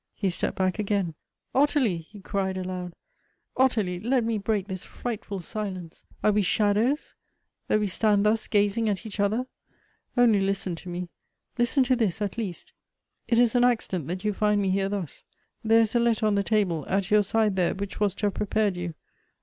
He stepped back again. " Ottilie !" he cried aloud, " Ottilie ! let me break this frightful silence ! Are we shadows, that we stand thus gazing at each other ? Only listen to me ; listen to this at least. It is an accident that you find me here thus. There is a letter on the table, at your side there, which was to have prepared you.